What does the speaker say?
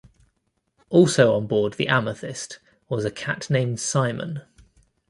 Also onboard the "Amethyst" was a cat named Simon.